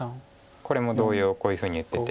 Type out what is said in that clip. これも同様こういうふうに打ってて。